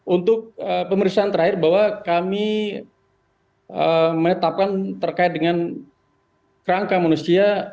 untuk pemeriksaan terakhir bahwa kami menetapkan terkait dengan kerangka manusia